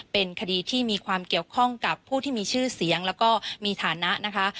เป็นคดีที่มีความเกี่ยวข้องกับผู้ที่มีชื่อเสียงแล้วก็มีฐานะนะคะ